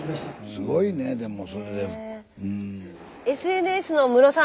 すごいねでもそれで。